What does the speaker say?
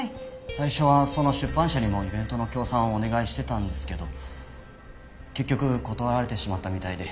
最初はその出版社にもイベントの協賛をお願いしてたんですけど結局断られてしまったみたいで。